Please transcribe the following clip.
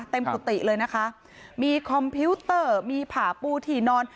กุฏิเลยนะคะมีคอมพิวเตอร์มีผ่าปูที่นอน